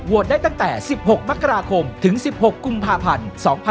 ได้ตั้งแต่๑๖มกราคมถึง๑๖กุมภาพันธ์๒๕๖๒